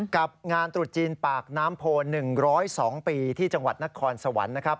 กับงานตรุษจีนปากน้ำโพ๑๐๒ปีที่จังหวัดนครสวรรค์นะครับ